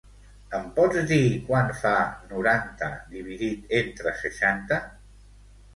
Em pots dir quant fa noranta dividit entre seixanta?